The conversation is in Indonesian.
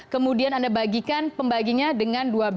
kemudian anda bagikan pembaginya dengan dua belas